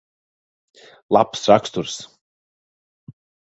Labs raksturs.